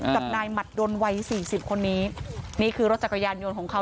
กับนายหมัดดนวัยสี่สิบคนนี้นี่คือรถจักรยานยนต์ของเขา